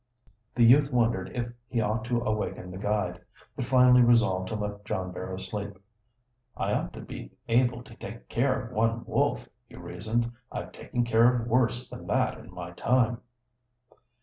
The youth wondered if he ought to awaken the guide, but finally resolved to let John Barrow sleep. "I ought to be able to take care of one wolf," he reasoned. "I've taken care of worse than that in my time."